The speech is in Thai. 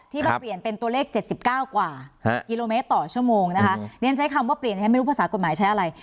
ที่เหลือเปลี่ยนเป็นตัวเลข๗๙กว่ากิโลเมตรต่อชั่วโมงแล้วอย่างไหน